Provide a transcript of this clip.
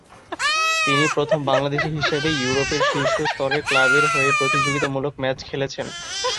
তিনি প্রথম বাংলাদেশী হিসেবে ইউরোপের শীর্ষ স্তরের ক্লাবের হয়ে প্রতিযোগিতামূলক ম্যাচ খেলেছেন।